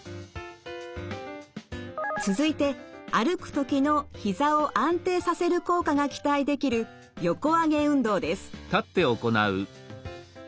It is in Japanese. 続いて歩くときのひざを安定させる効果が期待できる横上げ運動です。